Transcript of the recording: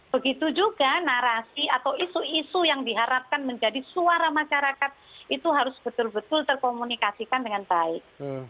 begitu juga narasi atau isu isu yang diharapkan menjadi suara masyarakat itu harus betul betul terkomunikasikan dengan baik